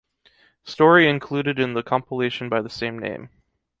Story included in the compilation by the same name.